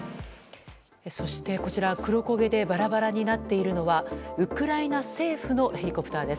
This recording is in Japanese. そして、こちら、黒焦げでバラバラになっているのはウクライナ政府のヘリコプターです。